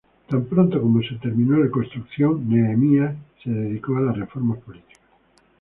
Tan pronto como se terminó la construcción, Nehemías se dedicó a las reformas políticas.